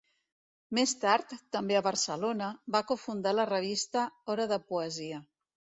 Més tard, també a Barcelona, va cofundar la revista Hora de Poesia.